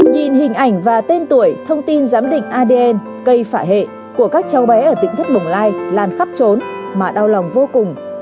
nhìn hình ảnh và tên tuổi thông tin giám định adn cây phạ hệ của các cháu bé ở tỉnh thất bồng lai lan khắp trốn mà đau lòng vô cùng